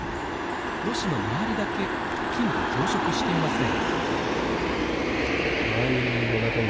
ろ紙の周りだけ菌が増殖していません。